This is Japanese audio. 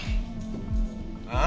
ああ？